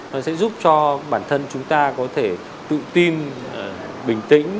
nó sẽ giúp cho bản thân chúng ta có thể tự tin bình tĩnh